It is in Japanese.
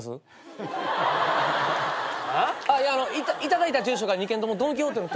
いや頂いた住所が２軒ともドン・キホーテの隣なんですよ。